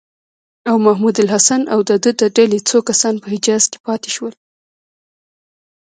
او محمودالحسن او د ده د ډلې څو کسان په حجاز کې پاتې شول.